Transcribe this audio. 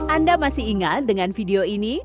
anda masih ingat dengan video ini